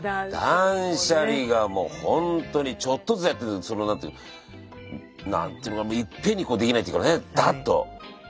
断捨離がもうほんとにちょっとずつやってるその何ていうの何ていうのかないっぺんにこうできないっていうかねダッと。